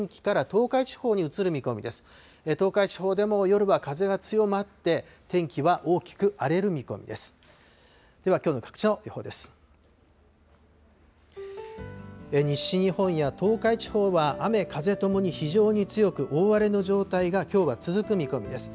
東海地方でも夜は風が強まって、天気は大きく荒れる見込みです。